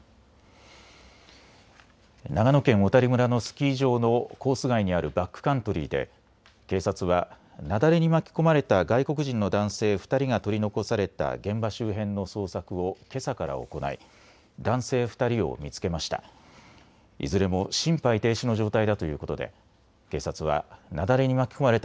長野県小谷村のスキー場のコース外にあるバックカントリーで警察は雪崩に巻き込まれた外国人の男性２人が取り残された現場周辺の捜索をけさから行い男性２人を見つけました。